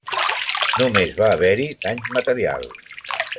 Només va haver-hi danys materials.